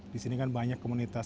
di sini kan banyak komunitas